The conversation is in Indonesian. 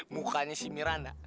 mukanya si miranda